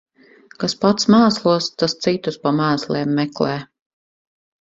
Kas pats mēslos, tas citus pa mēsliem meklē.